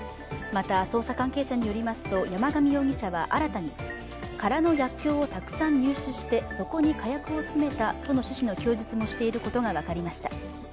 また、捜査関係者によりますと、山上容疑者は新たに空の薬きょうをたくさん入手して、そこに火薬を詰めたとの趣旨の供述もしていることが分かりました。